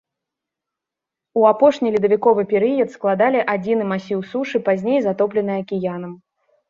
У апошні ледавіковы перыяд складалі адзіны масіў сушы, пазней затоплены акіянам.